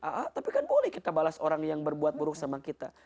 aa tapi kan boleh kita balas orang yang berbuat buruk sama kita